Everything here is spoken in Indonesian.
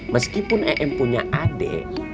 meskipun em punya adik